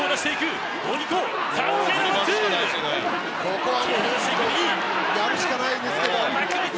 ここはやるしかないですね。